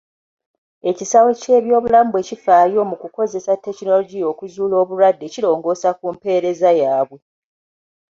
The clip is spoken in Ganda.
Ekisaawe ky'ebyobulamu bwe kifaayo mu kukozesa tekinologiya okuzuula obulwadde kirongoosa ku mpeereza yaabwe.